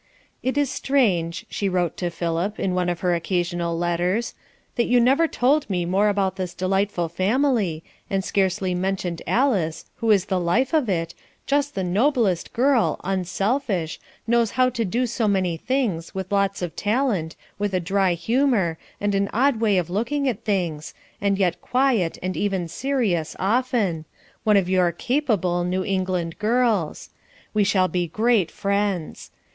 It is strange, she wrote to Philip, in one of her occasional letters, that you never told me more about this delightful family, and scarcely mentioned Alice who is the life of it, just the noblest girl, unselfish, knows how to do so many things, with lots of talent, with a dry humor, and an odd way of looking at things, and yet quiet and even serious often one of your "capable" New England girls. We shall be great friends.